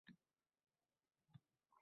Oshno qildi